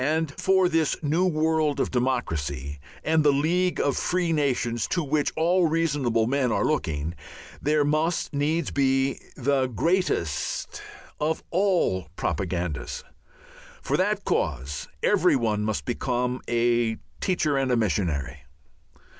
And for this new world of democracy and the League of Free Nations to which all reasonable men are looking, there must needs be the greatest of all propagandas. For that cause every one must become a teacher and a missionary.